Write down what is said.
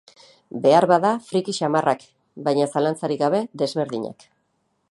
Beharbada friki samarrak, baina, zalantzarik gabe, desberdinak.